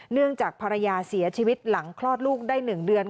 เนื่องจากภรรยาเสียชีวิตหลังคลอดลูกได้๑เดือน